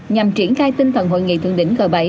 nhằm triển khai tinh thần hội nghị thượng đỉnh g bảy